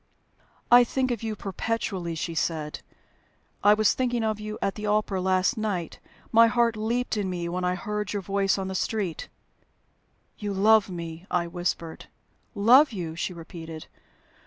"I think of you perpetually," she said. "I was thinking of you at the opera last night. My heart leaped in me when I heard your voice in the street." "You love me!" I whispered. "Love you!" she repeated.